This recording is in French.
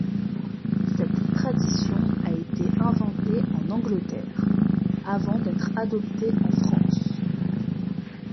Cette tradition a été inventée en Angleterre, avant d'être adoptée en France.